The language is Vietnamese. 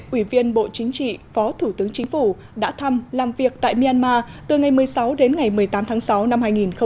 ủy viên bộ chính trị phó thủ tướng chính phủ đã thăm làm việc tại myanmar từ ngày một mươi sáu đến ngày một mươi tám tháng sáu năm hai nghìn một mươi chín